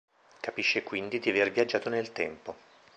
Capisce quindi di aver viaggiato nel tempo.